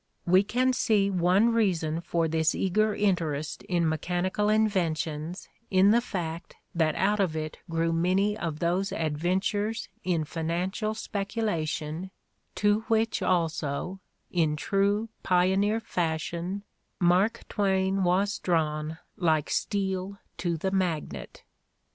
We can see one reason for this eager interest in mechanical inventions in the fact that out of it grew many of those adventures in financial specu lation to which also, in true pioneer fashion, Mark Twain was drawn like steel to the magnet.